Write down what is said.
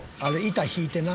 板ひいてな。